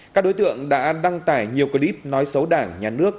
các đối tượng đã đăng tải nhiều clip nói xấu đảng nhà nước